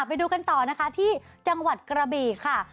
ไปดูกันต่อนะคะที่จังหวัดกระบีค่ะ